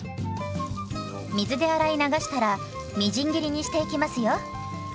水で洗い流したらみじん切りにしていきますよ。